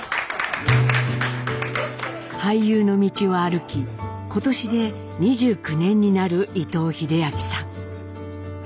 俳優の道を歩き今年で２９年になる伊藤英明さん。